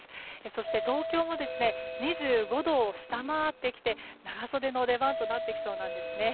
そして東京も２５度を下回ってきて長袖の出番となってきそうなんですね。